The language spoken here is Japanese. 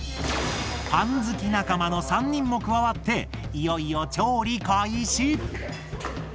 パン好き仲間の３人も加わっていよいよ調理開始！